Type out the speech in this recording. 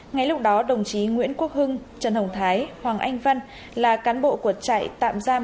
ngay lúc đó đồng chí nguyễn quốc hưng trần hồng thái hoàng anh văn là cán bộ của trại tạm giam